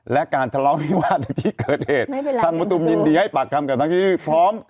และการทะเลาะวิวาสในที่เกิดเหตุไม่เป็นไรทางมะตูมยินดีให้ปากคำกับทางที่พร้อม